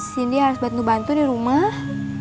cindy harus bantu bantu di rumah